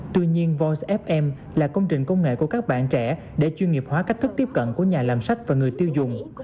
tuy nhiên voicefm là công trình công nghệ của các bạn trẻ để chuyên nghiệp hóa cách thức tiếp cận của nhà làm sách và người tiêu dùng